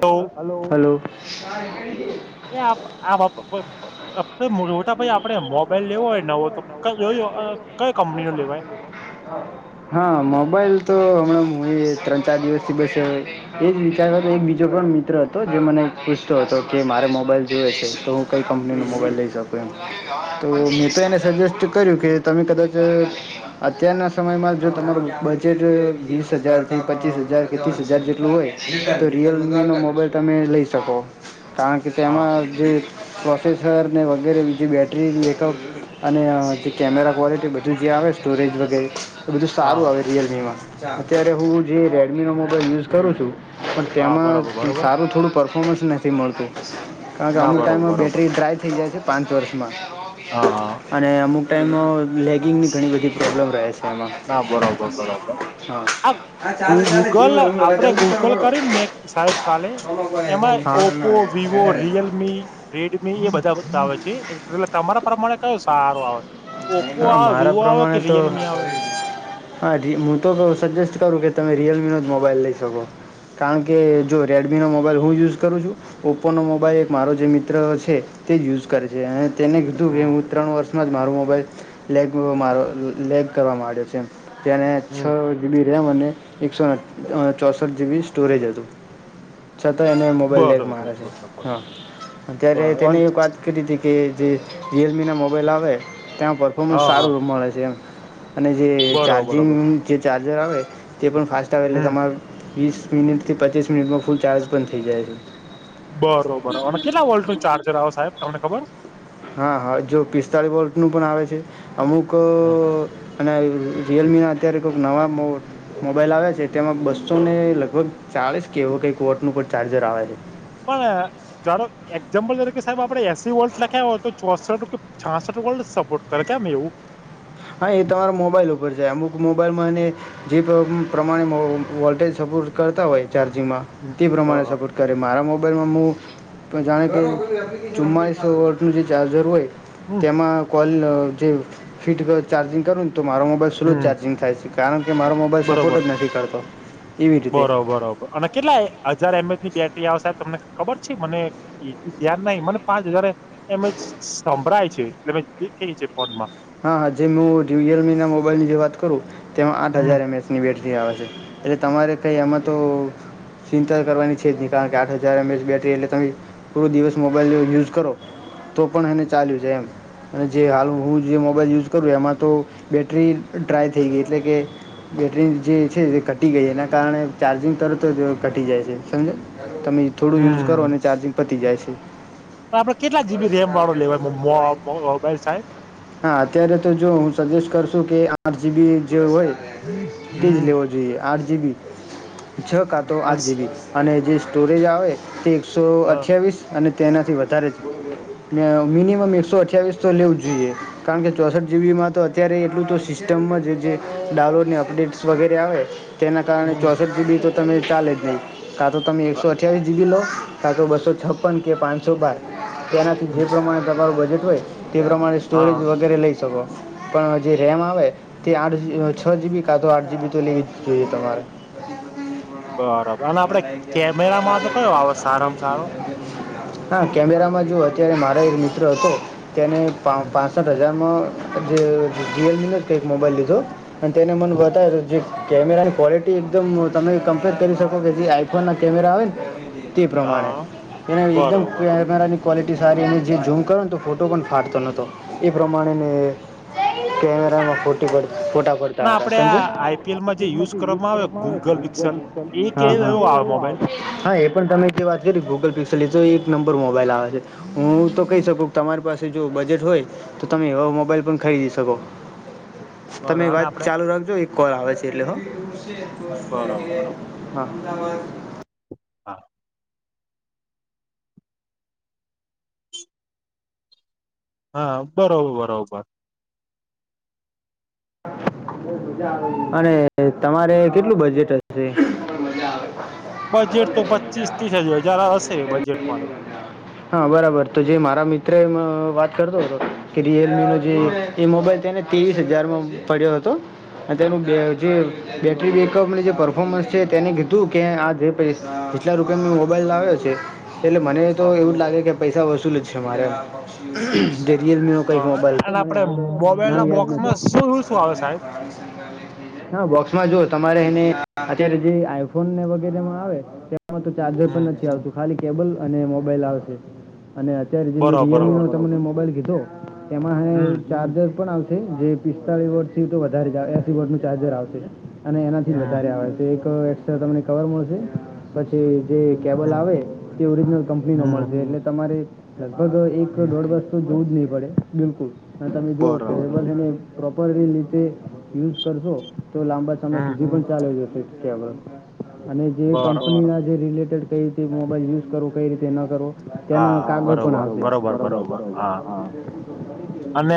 તો હલો એ આ આ બાપ મોટા ભાઈ આપડે મોબાઈલ લેવો હોય નવો તો જોયો કઈ કંપની નો લેવાય હા મોબાઈલ તો હમણા હું એ ત્રણ ચાર દિવસથી બસે એજ રી ત્યારબાદ એક બીજો પણ મિત્ર હતો જે મને પૂછતો હતો કે મારે મોબાઈલ જોઈ છે તો હું કઈ કંપનીનો મોબાઈલ લઈ શકું એમ તો મેં તો એને સજેસ્ટ કર્યું કે તમે કદાચ અત્યારના સમયમાં જો તમારું બજેટ વીસ હજારથી પચીસ હજાર કે ત્રીસ હજાર જેટલું હોય તો રિયલમી નો મોબાઈલ તમે લઈ શકો કારણ કે હા તેમાં જે પ્રોસેસર ને વગેરે બીજી બેૅટરી લેકઅપ અને જે કેમેરા ક્વૉલિટી બધું જે આવે સ્ટોરેજ વગેરે તો બધું સારું હા આવે રિયલમી માં અત્યારે હું જે રેડમીનો મોબાઈલ યુઝ કરું છું પણ હા તેમાં બરોબર બરોબર સારું થોડું પરફોમન્સ નથી મળતું કારણ કે ના અમુક બરોબર ટાઈમમાં બરોબર બેટરી ડ્રાય થઈ જાય છે પાંચ વર્ષમાં હા હા અને અમુક ટાઈઇમાં લેગિંગની ઘણી બધી પ્રોબ્લેમ રહે છે એમાં ના બરોબર બરોબર હા આ ગ ગૂગલ આપડે ગૂગ લ કર્યુંને મે સાહેબ કાલે એમાં ઓપો વિવો રિયલમી રેડમી એ બધા બધ આવે છે એટલે પલા તમારે પ્રમાણે કયું સારું આવે ઓપ્પો હા આવે મારા વિવો આવે કે પ્રમાણે તો રિયલમી આવે હા ર હું તો સજેસ્ટ કરું કે તમે રિયલમીનો જ મોબાઈલ લઈ શકો કારણ કે જો રેડમીનો મોબાઈલ હું યુઝ કરું છું ઓપ્પોનો મોબાઈલ એક મારો જે મિત્ર છે તે જ યુઝ કરે છે અને તેને કીધું કે હમ હું ત્રણ વર્ષ જ મારું બલ લેગ મારો લેગ કરવા માંડ્યો છે તેને હમ છ જી બી જ્યાં મને એકસો ચોસઠ જીબી સ્ટોરેજ હતું છતાં એને મોબાઈલ લેક બરોબર મારે છે બરોબર હા અત્યારે તેને બરોબર એક વાત કરી હતી કે જે રિયલમીના મોબાઈઇલ આવે ત્યાં પરફોર્ન્ હા સાર હા ર મળે છે હમ અને જે બરોબર ચાર્જિંગ બરોબર જે ચાર્જર આવે તે પણ ફાસ્ટ આવે એટલે હમ તમાર વીસ મિનિટથી પચીસ મિટમાં ફૂલ ચાર્જ પણ થઈ જાય છે બરોબર અને કેટલા વોલ્ટ ન ચાર્જર આવો સાહેબ તમને ખબર હા હા જો પિસ્તાળી વોલ્ટનું પણ આવે છે અમુક અને રિયલમીના અત્યારે નવા મો મોબાઈલ આવે છે તેમાં બસો ને લગભગ ચાળસ કેવો કંઈક વોટનું પણ ચાર્જર આવે છે પણ જારો એક્ઝામ્પલ ત કે સાહેબ આપડે એસી વોલ્ડ લખ્યા હોય તો ચોસઠ કે છાસઠ વોલ્ડ સપોર્ટ કરે કેમ એવું હા એ તમારા મોબાઈલ ઉપર છે અમુક મોબાઈલમાં અને જે પ્રમાણે વોલ્ટેજ સપોર્ટ કરતા હોય ચાર્જિંગમાં તે પ્રમાણે સપોર્ટ કરે મારામ બરમાં હું પણ જાણે કે ચુમ્માળીસો વર્ટનું જે ચાર્જર હોય હમ તેમાં કો જે ફીટ ચાર્જિંગ કર તો મારો મોબાઈલ સ્લો હમ ચાર્જિંગ થાય છે કારણ કે મારો મોબાઈલ સપોર્ટ જ નથી કરતો એવી રીતે બરો બરોબર અને કેટલા હજાર એમ ની બેટરી આવ સાહેબ તમને ખબર છે મને એ ધ્યાન નાહ મને પાંચ હજાર એમ એ સંભળાય છે એટલે મે દેખે છે ફોનમાં હા જે હું રિયલમી ના મોબાઈલની જે વાત કરું તેમાં આઠ હમ હજાર એમસની બેટ ટરી આવે છે એટલે તમારે કંઈ એમાં તો ચિંતા કરવાની છે જ નહીં કારણ કે આઠ હજાર એમએચ બેટરી એટલે તમે થૂડ દિવસ મોબાઈલ યુઝ કરો તો પણ એને ચાલ્યું છે એમ અને જે હાલ હું જે મોબાઈલ યુઝ કરું એમાં તો બેૅટરી ડ્રાય થઈ ગઈ એટલે કે બેૅટરી જે છે એ ઘટી ગઈ એના કારણે ચાર્જિંગ તરત જ ઘટી જાય છે સમજે ને હમ જાય છે આપડે કેટલા જીબી રેમ વાળો લેવાયબ સાહેબ હ અત્યારે તો જો હું સજેસ્ટ કરશું કે આઠ જીબી જે હોય તે જ લેવો જોઈએ આજ જીવીી છ કાતો હમ આઠ હ જીબી અને જે સ્ટોરેજ આવે ઠીક સો અઠ્યાવીીસ અને તે એનાથી વધારે જ ને મિનિમમ એકસો અઠ્યાવીસ તો લેવું જ જોઈએ કારણ કે ચોસઠ જીબીમાં તો અત્યારે એટલું તો સિસ્ટમમાં જ જે ડાઉનલોડની અપડેટ્સ વગેરે આવે તેના કારણે હમ ચોસઠ જીબી તો તમે ચાલે જ ન કા તો તમે એકસો અઠ્યાવીસ જીબી લો સા તો બસો છપ્પન કે પાંચસો બાર. તેનાથી જે પ્રમાણે તમારુ બ બજટ હોય. તે પ્રમાણે હા સ્ટોરેજ વગેરે લઈ શકો. પણ જે રેમ આવે તે આઠ છ જીબી કા તો આઠ જીબી તો લેવી જ જોઈએ તમારે. બરાબર અને આપડે [inaudible] કેમેરામાં તો કયો આવે સારામાં સારો હા કેમેરામાં જો અત્યારે મારો એક મિત્ર હતો. તેને પા પાંસઠ હજારમાં જે રીયલમી નો કંઈક મોબાઈલ લીધો. અને તેને મને વધારે જે કેમેરા ક્વોલિટી એકદમ તમે કમ્પેર કરી શકો કે જે આઈ ફોન ના કેમેરા આવે. તે પ્રમાણે હા એને એકદમ બરોબર બરોબર કેમેરાની ક્વૉલિટી [unintelligible] સારી અને જે ઝૂમ કરો ને તો ફોટો પણ ફાટતો નહોતો એ પ્રમાણે ને કેમેરામાં ફોટો પાડવા અને આપડે આ આઈ પી એલ માં જે યુઝ કરવામાં આવે ગૂગલ પિક્સલ એ કે હા હા [unintelligible] હા એ પણ તમે જે વાત કરી ગૂગલ પિક્સલ તો એક નંબર મોબાઈલ આવે છે હું તો કહી શકું તમારી પાસે જો બજેટ હોય તો તમે એવા મોબાઈલ પણ ખરીદી શકો. બર તમે અને વાત આપડે ચાલુ રાખજો કોલ આવે છે એટલે હા. બરોબર બરોબર હા. [unintelligible] હા. હા બરોબર બરોબર. અને તમારે કેટલું બજેટ હશે. બજેટ તો પચીસ થી જ હજાર હશે બજેટ મારું. હા બરાબર તો જે મારા મિત્ર એમ વાત કરતો હતો કે રિયલમી નો જે હા એ મોબાઈલ તેને ત્રેવીસ હજારમાં પડ્યો હતો અને તેનું બે જે બેટરી બેકઅપની જે પરફોમન્સ છે તેને કીધું કે આ જે પ જેટલા રૂપિયા મેં મોબાઈલ લાવ્યો છે એટલે મને તો હા એવું લાગે કે પૈસા વસૂલ જ છે મારે. જે રિયલમી નો કઈક મોબાઈલ હતો અને મને આપડે હાલ મોબાઈલ નામ ના યાદ બોક્સમાં નથી શું શું આવે સાહેબ હા બોક્સમાં જો તમારે એને અત્યારે જે આઈફોનને વગેરે માં આવે. તો ચાર્જર હમ પણ નથી આવતું ખાલી કેબલ અને મો મોબાઈલ આવશે. અને અત્યારે જે મેં બરોબર રિયલમી નો બરોબર તમને મોબાઈલ લીધો. એમાં હમ હ ચાર્જર પણ આવ જે પિસ્તાળસ વોટ તો વધારે એસી વોટ ન ચાર્જર આવશે. અને એનાથી હમ વધારે આવે છે. એક્સ્ટ્રા તમને કવર મળશે, પછી જે કેબલ હમ આવે તે ઓરિજનલ એના હમ મળશે, એટલે તમ તમારે મગ એક દોડ વસ્તુ બોજ નં પડે. બિલકુલ. હા તમે જો. બરોબર [unintelligible] પ્રોપરરી રીતે યુઝ કરશો. તો લાંબા સમય હમ સુધી પણ ચાલી જશે. કેવા અને જે બરો કંપની ના જે રિલેટ કઈ રીતે મોબાઈલ યુઝ કરો. કઈ રીતે ન કરો. તેના હા કાગળ પણ બરોબર આપે. બરોબર બરોબર બરોબર-બરોબર, હા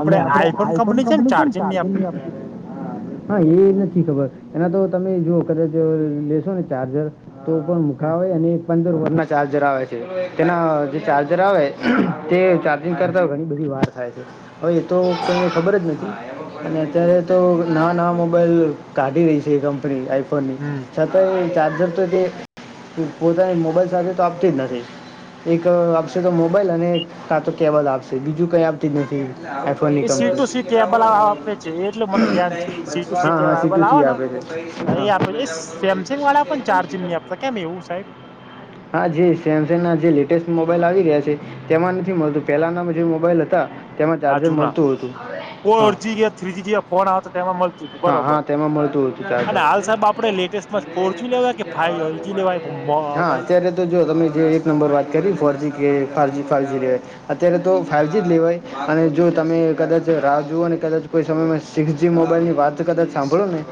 અને આપડે આઈફોન કંપની છે, ને ચાર્જંગની હા એ નથી ખબર એના તો તમે જુઓ કદાચ લેશો ને ચાર્જર તો પણ હમ મુખાવ અને પંદરૂર ના ચાર્જર આવે. તેના જે ચાર્જર આવે તે ચાર્જિંગ હમ, કરતા હોય ઘણી બધી વાર થ હવે એ તો તમને ખબર જ નથી, અને અત્યારે તો નવા નવા મોબાઈલ કાઢી રહી છે એ કંપની આઈ ફોની હમ. છ તો ચાર્જ તો તે પોતાની મોબાઈલ સાથે તો આપતી જ નથી. એક આપશે તો મોબાઈલ અને કાં તો કેબલ આપશે બીજું કઈ આપતી નથી. આફોની એ C to company C cable આપે છે એટલે મને ધ્યાન છે સી ટુ હા હા સી ટુ કેબલ આવે સી ને આપે છે, એ આપે છે એ સેમસંગ વાળા પણ ચાર્જિંગ ની આપતા કેમ એવું સાહેબ હા જ જે લેટેસ્ટ મોબાઈલ આવી રહ્યા છે, તેમાં નથી મળતું પેલા ના જે મોબાઈલ હતા. તેમાં હ ચાર્જર જુના મળતું હતું હા ફોરજી થ્રીજી ફોન આવે તો તેમાં મળતું હતું. હા બરોબર હા તેમાં મળતું હતું ચાર્જર અને હાલ સાહેબ આપણે લેટેસ્ટમાં ફોરજી લેવા કે ફાઈવજી લેવાય હા મોબાઈલ અત્યારે તો જો તમે જે એક નંબર વાત કરી ફોરજીી કે ફા જ ફાઇવ જ લેવાય અત્યારે તો ફાઇવ જ જ લેવાય અને જો તમે કદાચ રાહ જુઓ અને કદાચ કોઈ સમયમાં સિક્સ જ મોબાઈલની વાત કદાચ સાંભળો ને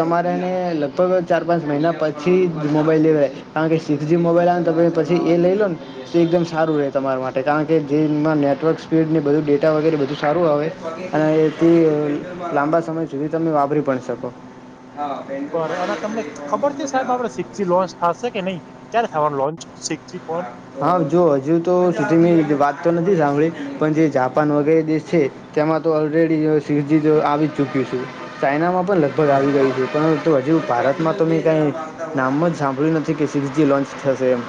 તમારેને લગભગ ચાર પાંચ મહિના પછી મોબાઈલ લેવા કારણ કે સિક્સ જ મોબાઈલ આવે ને તો પછી પછ એ લઈ લો ને તો એકદમ સારું રહે તમારા માટે કારણ કે જેમાં નેટવર્ક સ્પીડને બધું ડે વગેરે બધું સારું આવે અને એથી લાંબા સમય સુધી તમે વાપરી પણ શકો બ અને તમને ખબર છે સાહેબ આપડે સિક્સીી લોન્ચ થશે કે નહી ક્યારે થવાનું લોન્ચ સિક્સ ફોન હા જો હજુ તો સુધી વાત તો નથી સાંભળી પણ જે જાપાન વગેરે દેશ છે તેમાં તો ઓલરેડી સિક્સ જ આવી જ ચૂક્યું છેું ચાાઈનામાં પણ પણ બર લગભગ આવી ગઈ છે પરંતુ હજુ ભારત માં તો મેં કાંઈ નામ જ સાંભળ્યું નથી કે સિક્સજી લોન્ચ થશે એમ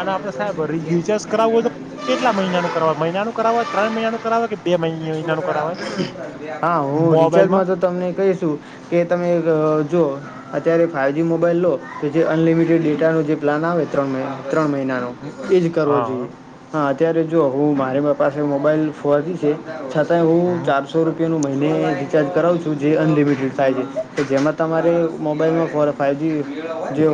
અને આપડે સાહેબ રચાર્જ કરાવવું હોય તો કેટલા મહિનાનું કરાવય મહિનાનું કરાવવા હોય ત્રણ મહિનાનું કરાવય કે બે મહિના મહિનાનું કરાવાય હા હું મોબાઈલમાં રિચારજમાં તો તમને કહીશું કે તમે જો અત્યારે ફાઇવ જ મોબાઈલ લો કે જે અનલિમિટેડ ડેટાનો જે પ્લાન આવે ત્રણ મહિના ત્રણ મહિનાનો એ જ કરવો જોઈએ હા હા અત્યારે જોુઓ હું મારી પાસે મોબાઈલ ફોથી છે છતાં હું હમ ચારસો રૂપિયા નું મહિને રિચાર્જ કરાવું છું જે અનલિમિટેડ થાય છે કે જેમાં તમારે મોબાઈલમાં ફ ફાઇવજી જે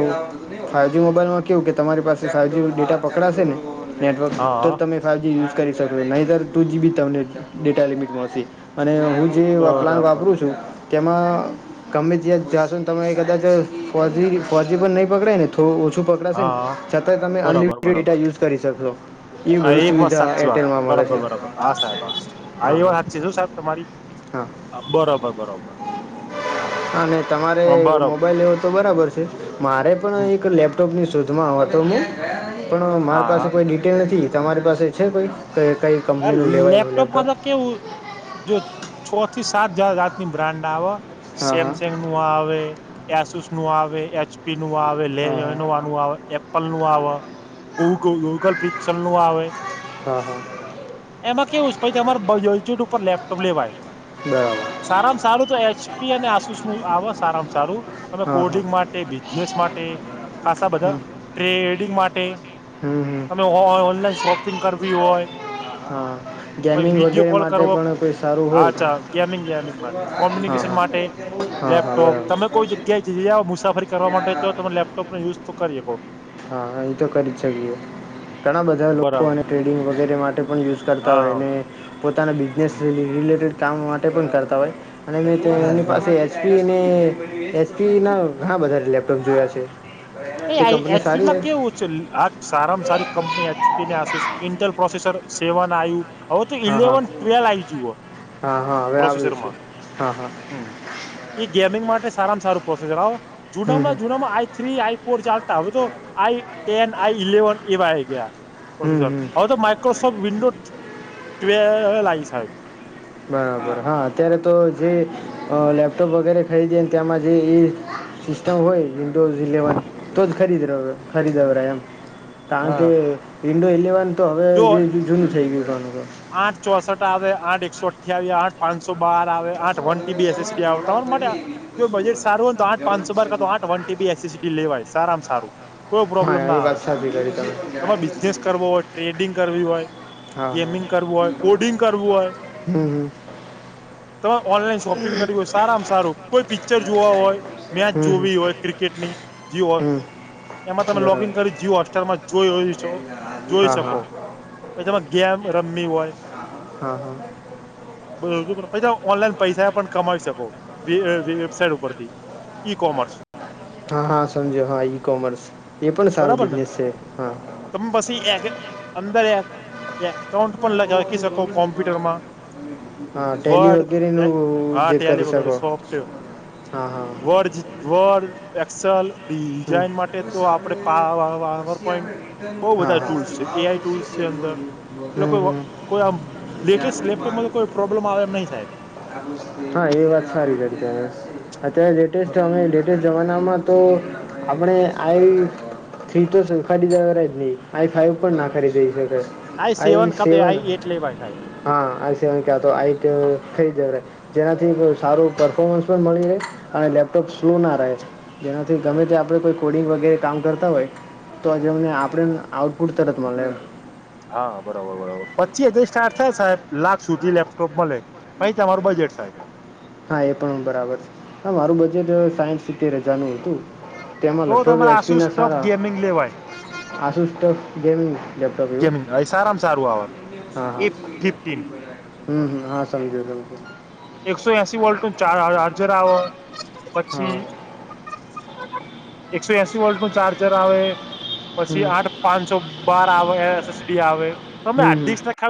ફાઇવજી મોબાઈલમાં કવું કે તમારી પાસે ફાઇવજી ડેટા પકડાશે ને નેટવર્ક તો જ હા તમે ફાવજી યુઝ કરી શક નધર ટુ જીબી તમને ડેટા લિમિટમાં હતી અને હું જે પ્લાન બરાબર વાપરું છું તેમાં ગમે ત્યાં જાશો તમે કદાચ ફોજી ફોજી પણ નહીં પકડાય ને થોડું ઓછું શું પકડાશે ને હા છતાં તમે બરોબર અનલિમિટેડ બરોબર ડેટા યુઝ કરી શકશો એવી બધી એક વાત સુવિધા સાચી વાત એરટેલમાં મળે છે બરાબર બરાબર હા સાહેબ હા હા એ વાત સાચી શું સાહેબ તમારી બરોબર બરોબર તમારે બરોબર મોબાઈલ એવો તો બરાબર છે મારે પણ હમ એક લેપટોપ શ સુધમાં વાતોમું પણ મારી પાસે હા કોઈ ડિટેલ નથી તમારી પાસે છે કઈ કઈ કઈ કંપલેન ઉ લવા મતબ કે જો છો સાત જાતની બ્રાન્ડ આવે હા હા સેમસંગ નું આ આવે એસુસ નું આવે એચપી આવે હા હા લેનું આવે નું આવે ગૂગ ગૂગલ ફિક્શન નું આવે હા હા એમાં કેવું છે પ તમારેલચટ ઉપર લેપટોપ લેવાય બરાબર સારામાં સારું તો એજ અને આસુષ નું આવ આારમાં સારું તમે હા હા કોડિંગ માટે બિઝનેસ માટે ખાસા બધા હમ ટ્રેડિંગ માટે પે હમ હમ ઓનલાઈન શોપિંગ કરવી હોય હા કો ગેમિંગ વિડીિયો વગેરે કોલ માટે કરવો પણ કોઈ સારું હોય અચ્છા ગેમિંગ વેમિંગ માટે હા કોમ્યુનિકેશન હા માટે હા હા લેપટોપ તમે કોઈ બરાબર જગ્યાએ જ મુસાફરી કરવા માટે તો તમે લેપટોપનો ુઝ કરીએ બહ હા એ તો કરી જ શકીએ ઘણા બધા લોકો બરાબર ટ્રેડિંગ વગેરે તે માટે પણ યુઝ કરતા હા હોયને પોતાના બિઝનેસ હમ રિલેટેડ કામ માટે પણ કરતા હોય અને મેં હમ એમની ના પાસે એસપી એસપી ના ઘણા બધારે લેપટોપ જોયા છે તે કંપની [inaudible] સારી સ્ીડમાં હોય કેવું છે આ સારામાં સારી કંપની તેને ઇન્ટરલ પ્રોસેસર સેવન આયુ હવે તો હા હા ઇલેવન ટ્વેલ આઈ જ હો હા હા હવે આવ્યું છે પ્રોસેસરમાં હા હા હ એ ગેમિંગ માટે સારામાં સારું પ્રોસેસર આવો જુના હમ માં હમ જુનામાં આઈ થ્રી આઈ ચાલતા હવે તો આઈ ટેન આઈ ઇલેવન એવા ગયા હમ પ્રોસેસર હમ હવે તો માઇક્રોસોફ્ટ વિન્ડો ત લાઈ સાહેબ બરાબર હા અત્યારે તો જે લેપટોપ વગેરે ખરીદીને તે્યામાં જે એ સિસ્ટમ હોય ટુ ઝ લલેવન તો ખરીદ રહ્યો ખરીદો રહ એમ હા [inaudible] ઇડુ એલેવન. તો હવે જો એ [unintelligible] થઈ ગયું [unintelligible] આઠ ચોસઠ આવે આઠ એકસો અઠ્યાવીસ આઠ પાંચસો બાર આવે આઠ વન ટી બીસએસ તમારા માટે જો બજેટ સારું હોયને તો આઠ પાંચસો બાર કરા તો આઠ વન ટીબી એસીટી લેવાય. સારામાં સારું. કોઈ તો પ્રોબ્લેમ હા ના એ આવે વાત સાચી કરી તમે તમારે બિઝનેસ કરવો હોય ટ્રેડિંગ કરવી હોય હા ગેમિંગ. હા હોય કોડિંગ કરવું હોય. હમ હમ તમે ઓનલાઈન શોપિંગ કરવી હોય સારામાં સારું કોઈ પિક્ચર જોવા હોય મેચ હમ હમ જોવી હોય ક્રિકેટની જીઓ હોલ હમ એમાં તમે લોગ ન બરાબર કરી જી હોસ્ટેલમાં જોઈ હો છો. જોઈ હા હા શકો [unintelligible] રમી હોય. હા હા. [unintelligible] ઓનલાઈન પૈસા પણ કમાવી શકો [unintelligible] વેબસાઇટ ઉપરથી. ઈ કોમર્સ હા હા સમજો હા ઈ કોમર્સ એ પણ સારો બરાબર ને બિઝનેસ છે, હા. તમે પછી એ અંદર [inaudible] [unintelligible] પણ [unintelligible] શકો કોમ્પ્યુટરમાં. હા [unintelligible] વર્ડ વગેરેનું [unintelligible] હા જે ટેલી કરી વગેરે શકો સોફ્ટવેર હા હા. એકક્સલ. પાવર પોઈન્ટ બહુ બધા ટૂલ્સ છે એઆઈ ટૂલ્સ છે અંદર [inaudible] એટલે કોઈ કોઈ આમ લેટેસ્ટ લેપટોપમાં તો કોઈ પ્રોબ્લેમ આવે એમ નહી સાહેબ. હા એ વાત સારી કરી તમે અત્યારે લેટેસ્ટ અમે લેટેસ્ટ જમાનામાં. તો આપણે આઈ થ્રી તો ખરીદેરા જ નહી આઈ ફાઈવ પણ ના ખરીદી આઈ શ [unintelligible] કા તો સેવન આઈ એટ લેવાય સાહેબ [unintelligible] [unintelligible] જેનાથી સારું પરફોર્મન્સ પણ મળી રહે અને લેપટોપ [unintelligible] રહે જેનાથી ગમે તે. આપ કોઈ કોડિંગ વગેરે કામ કરતા હોય તો આજમને આપણેને આઉટપુટ તરત મળે. હા બરોબર બરોબર પચી સ્ટાર્ટ થાય સાહેબ લાખ સુધી લેપટોપ મળે [unintelligible] બજેટ સાહેબ. હા એ પણ બરાબર છે, હ મારું બજેટ સાયન્સ સિતતેર [unintelligible] તેમાં તો લગભગ તમારે એચપી આસુસ ના ટફ સારા ગેમિંગ લેવાય આસુષ ગેમિંગ લેપટોપ એવું. ગેમિંગ સારામાં સારું આવે હા-હા. એ ફિફ્ટીન હમ્મ હા સમજે [unintelligible] એકસો એસી વોલ્ટ નું [unintelligible] ચાર્જર આવે હા પછી. એકસો એસી વોલ્ટ નું ચાર્જર આવે. પછી હમ આઠ પાંચસો બાર આવે એસસડી આવે તમે હમ આઠ હમ દિવસ ના